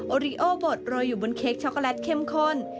ริโอบทโรยอยู่บนเค้กช็อกโกแลตเข้มข้น